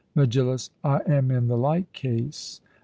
MEGILLUS: I am in the like case.